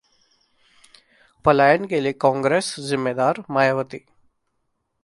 पलायन के लिए कांग्रेस जिम्मेदार: मायावती